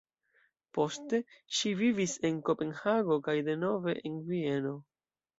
Poste ŝi vivis en Kopenhago kaj denove en Vieno.